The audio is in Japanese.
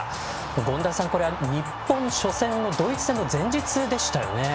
権田さん、これは日本の初戦のドイツ戦の前日でしたね。